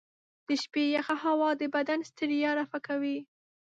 د شپې یخه هوا د بدن ستړیا رفع کوي.